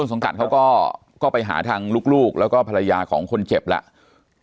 สังกัดเขาก็ไปหาทางลูกแล้วก็ภรรยาของคนเจ็บแล้ว